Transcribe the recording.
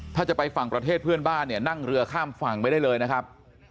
ถ้าจะไปฝั่งประเทศเพื่อนบ้านเนี่ยนั่งเรือข้ามฝั่งไปได้เลยนะครับ